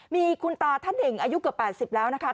มีคุณตาท่านหนึ่งอายุเกือบ๘๐แล้วนะคะ